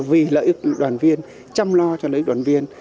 vì lợi ước đoàn viên chăm lo cho lợi ước đoàn viên